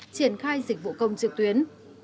triển khai dịch vụ công trực tuyến